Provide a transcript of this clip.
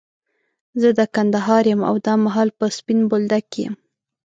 زه د کندهار يم، او دا مهال په سپين بولدک کي يم.